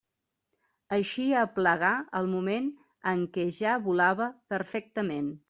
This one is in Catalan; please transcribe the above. Així aplegà el moment en què ja volava perfectament.